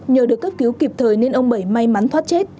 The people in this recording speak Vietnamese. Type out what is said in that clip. nhờ được cấp cứu kịp thời nên ông bảy may mắn thoát chết